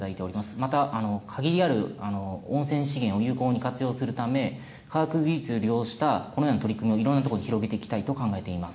また、限りある温泉資源を有効に活用するため、科学技術を利用した、このような取り組みをいろいろなところで広げていきたいと考えています。